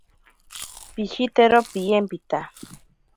Pishetero piyempita.